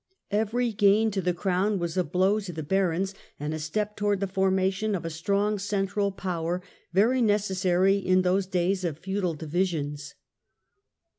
Every gain to the Crow^n was a blow to the barons, and a step towards the formation of a strong central power, very necessary New lauds in those days of feudal divisions.